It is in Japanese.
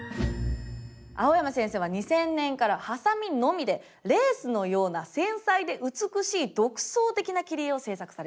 蒼山先生は２０００年からハサミのみでレースのような繊細で美しい独創的な切り絵を制作されています。